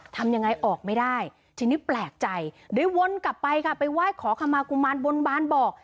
ทำยังไงออกไม่ได้ทีนี้แปลกใจเลยวนกลับไปค่ะไปไหว้ขอคำมากุมารบนบานบอก